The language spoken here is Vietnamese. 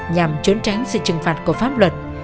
nhằm trốn tránh sự trừng phạt của pháp luật